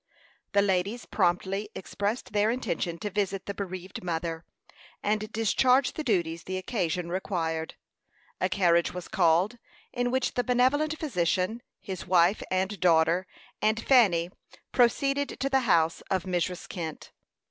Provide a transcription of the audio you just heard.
The ladies promptly expressed their intention to visit the bereaved mother, and discharge the duties the occasion required. A carriage was called, in which the benevolent physician, his wife and daughter, and Fanny, proceeded to the house of Mrs. Kent.